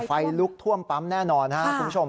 ไฟลุกท่วมปั๊มแน่นอนครับคุณผู้ชม